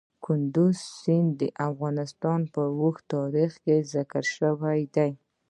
کندز سیند د افغانستان په اوږده تاریخ کې ذکر شوی دی.